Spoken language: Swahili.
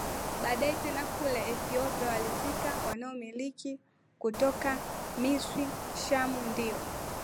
Baadaye tena kule Ethiopia walifika wamonaki kutoka Misri na Shamu Ndio